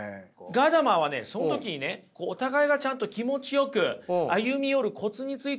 ガダマーはねその時にねお互いがちゃんと気持ちよく歩み寄るコツについても触れてます。